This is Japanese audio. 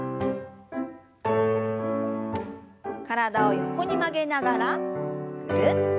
体を横に曲げながらぐるっと。